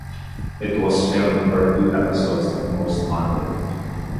It was filmed for two episodes of "Most Haunted".